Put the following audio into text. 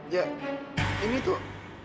ya ini tuh